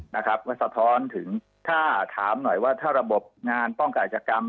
นะครับก็สะท้อนถึงถ้าถามหน่อยว่าถ้าระบบงานป้องกันอาจกรรม